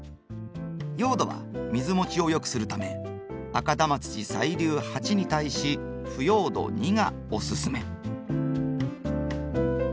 用土は水もちを良くするため赤玉土細粒８に対し腐葉土２がおすすめ。